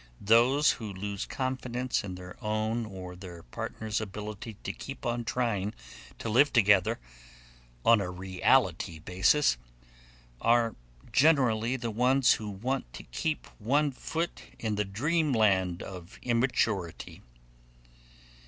Those who lose confidence in their own or their partner's ability to keep on trying to live together on a reality basis are generally the ones who want to keep one foot in the dreamland of immaturity.